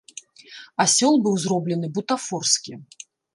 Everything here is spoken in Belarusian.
Асёл быў зроблены бутафорскі.